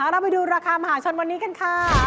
เราไปดูราคามหาชนวันนี้กันค่ะ